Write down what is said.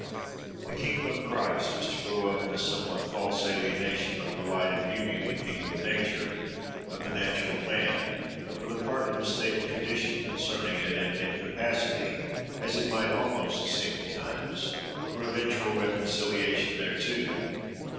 The kingdom of Christ was to grow up in a somewhat false alienation from the light and beauty of the kingdom of nature, of the natural man, with a partly mistaken tradition concerning it, and an incapacity, as it might almost seem at times, for eventual reconciliation thereto.